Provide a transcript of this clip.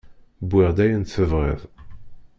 Wwiɣ-d ayen tebɣiḍ.